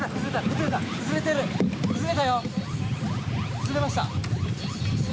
崩れました。